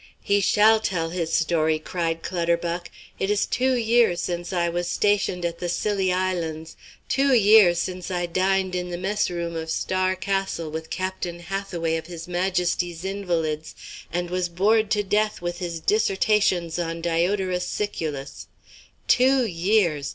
"He shall tell his story," cried Clutterbuck. "It is two years since I was stationed at the Scilly Islands, two years since I dined in the mess room of Star Castle with Captain Hathaway of his Majesty's Invalids, and was bored to death with his dissertations on Diodorus Siculus. Two years!